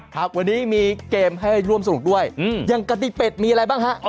ครับวันนี้มีเกมให้ร่วมสนุกด้วยอย่างกะติเป็ดมีอะไรบ้างฮะ